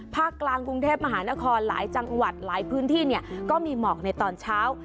กลางกรุงเทพมหานครหลายจังหวัดหลายพื้นที่เนี่ยก็มีหมอกในตอนเช้า